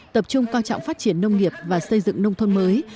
tập trung coi trọng phát triển nông nghiệp và xây dựng nông thôn mới